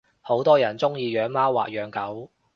好多人鐘意養貓或養狗